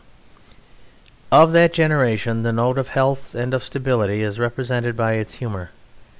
And of that generation the note of health and of stability is represented by its humour.